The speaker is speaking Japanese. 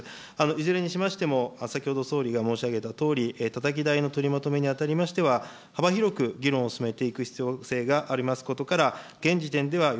いずれにしましても、先ほど総理が申し上げたとおり、たたき台の取りまとめに当たりましては、幅広く議論を進めていく必要性がありますことから、現時点ではよ